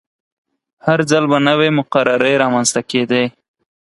هر ځل به نوې مقررې رامنځته کیدې.